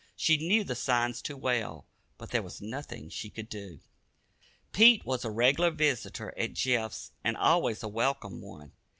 She knew the signs too well, but there was nothing she could do. Pete was a regular visitor at Jeff's and always a welcome one.